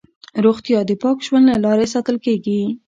روغتیا د پاک ژوند له لارې ساتل کېږي.